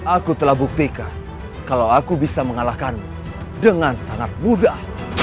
aku telah buktikan kalau aku bisa mengalahkan dengan sangat mudah